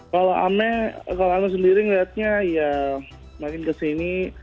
kalau anmes kalau anmes sendiri ngelihatnya ya makin kesini